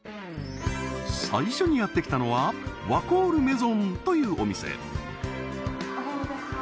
最初にやってきたのはワコールメゾンというお店おはようございます